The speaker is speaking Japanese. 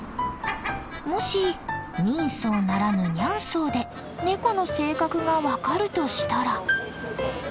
もし人相ならぬニャン相でネコの性格が分かるとしたら。